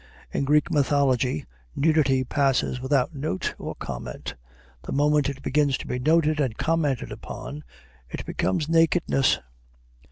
In Greek mythology, nudity passes without note or comment; the moment it begins to be noted and commented upon it becomes nakedness.